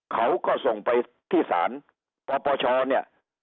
เขาก็ส่งไปที่ศาลปปชเนี่ย